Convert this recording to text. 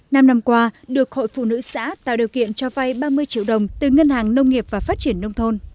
năm năm qua được hội phụ nữ xã tạo điều kiện cho vay ba mươi triệu đồng từ ngân hàng nông nghiệp và phát triển nông thôn